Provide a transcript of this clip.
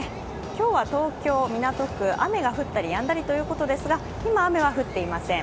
今日は東京港区、雨が降ったりやんだりということですが今雨は降っていません。